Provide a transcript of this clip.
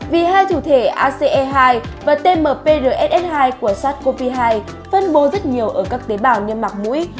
vì hai thủ thể ace hai và tmprss hai của sars cov hai phân bố rất nhiều ở các tế bào niêm mạc mũi